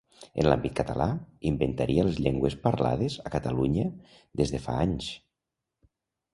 En l'àmbit català, inventaria les llengües parlades a Catalunya des de fa anys.